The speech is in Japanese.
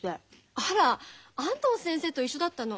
あら安藤先生と一緒だったの。